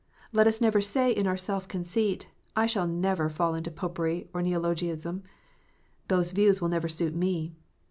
Let us never say in our self conceit, "I shall never fall into Popery or Neologianism : those views will never suit me."